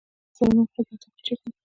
د دې ذرو موقعیت په اتوم کې چیرته وي